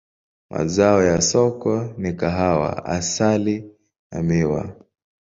Mazao ya soko ni kahawa, asali na miwa.